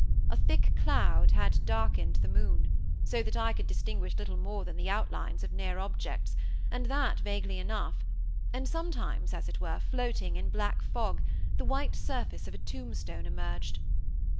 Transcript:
A thick cloud had darkened the moon, so that I could distinguish little more than the outlines of near objects, and that vaguely enough; and sometimes, as it were, floating in black fog, the white surface of a tombstone emerged.